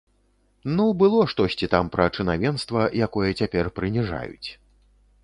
Ну, было штосьці там пра чынавенства, якое цяпер прыніжаюць.